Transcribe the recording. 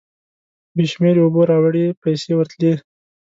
بې شمېرې اوبو راوړې پیسې ورتلې.